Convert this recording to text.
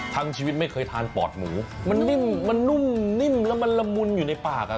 ทั้งชีวิตไม่เคยทานปอดหมูมันนุ่มและมันละมุนอยู่ในปาก